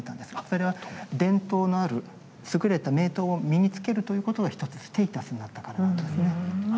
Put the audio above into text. それは伝統のある優れた名刀を身に着けるということが一つステータスになったからなんですね。